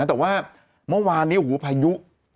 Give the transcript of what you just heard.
แต่ว่าเมื่อวานล่ะความภายุ